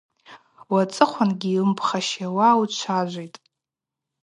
Уацӏыхъвангьи уымпхащауа учважвитӏ.